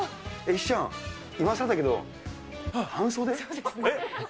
石ちゃん、今さらだけど、半袖？